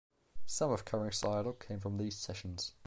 Some of Kurring's dialogue came from these sessions.